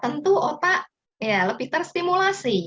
tentu otak lebih terstimulasi